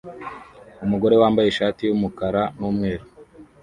Umugore wambaye ishati y'umukara n'umweru